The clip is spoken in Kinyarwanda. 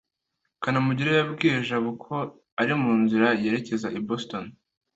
kanamugire yabwiye jabo ko ari mu nzira yerekeza i boston